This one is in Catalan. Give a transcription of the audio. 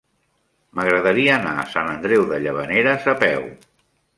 M'agradaria anar a Sant Andreu de Llavaneres a peu.